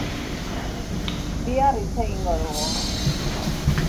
Bihar hitz egingo dugu.